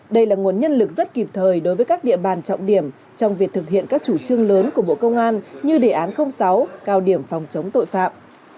đây là nguồn nhân lực rất kịp thời đối với các địa bàn trọng điểm trong việc thực hiện các chủ trương lớn của bộ công an như đề án sáu cao điểm phòng chống tội phạm